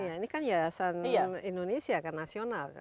iya ini kan yayasan indonesia kan nasional kan